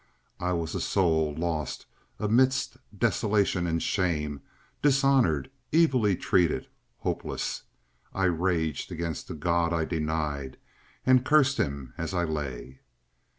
I was a soul lost amidst desolations and shame, dishonored, evilly treated, hopeless. I raged against the God I denied, and cursed him as I lay.